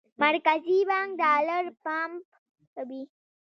مرکزي بانک ډالر پمپ کوي.